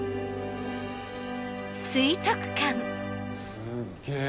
すっげぇ。